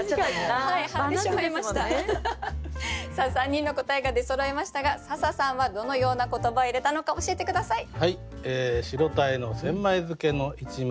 ３人の答えが出そろいましたが笹さんはどのような言葉を入れたのか教えて下さい。